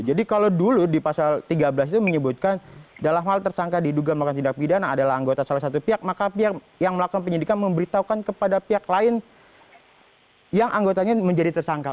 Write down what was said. jadi kalau dulu di pasal tiga belas itu menyebutkan dalam hal tersangka diduga melakukan tindak pidana adalah anggota salah satu pihak maka pihak yang melakukan penyelidikan memberitahukan kepada pihak lain yang anggotanya menjadi tersangka